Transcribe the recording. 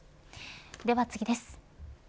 では次です。